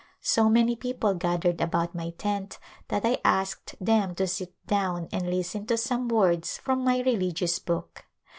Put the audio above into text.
So many people gath ered about my tent that I asked them to sit down and listen to some words from my religious Book.